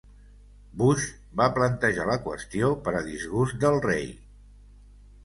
Bush va plantejar la qüestió, per a disgust del rei.